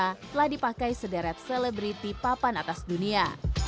kiprah rinaldi yunardi dipakai sederet selebriti papan atas dunia